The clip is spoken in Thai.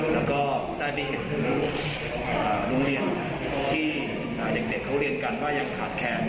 แล้วก็ได้ไปเห็นโรงเรียนที่เด็กเขาเรียนกันว่ายังขาดแคลน